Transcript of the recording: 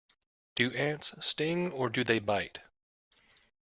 Do ants sting, or do they bite?